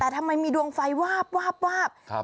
แต่ทำไมมีดวงไฟวาบวาบวาบ